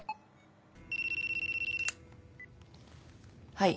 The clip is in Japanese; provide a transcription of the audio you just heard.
はい。